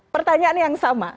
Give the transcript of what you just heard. pertanyaan yang sama